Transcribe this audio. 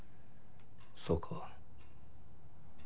そうか。